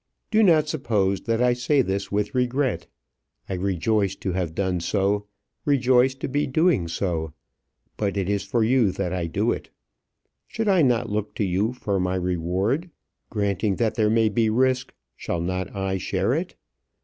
Do not suppose that I say this with regret. I rejoice to have done so, rejoice to be so doing; but it is for you that I do it. Should I not look to you for my reward? Granting that there may be risk, shall not I share it?